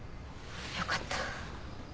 よかった。